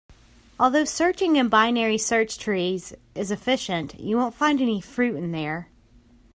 Although searching in binary search trees is efficient, you won't find any fruit in there.